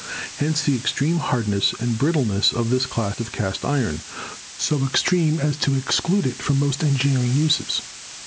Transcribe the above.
Hence the extreme hard ness and brittleness of this class of cast iron, so extreme as to exclude it from most engineering uses.